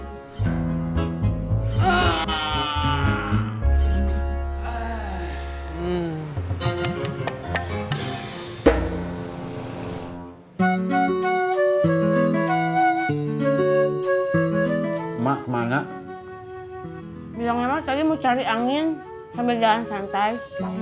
emak mana bilangnya tadi mau cari angin sambil jalan santai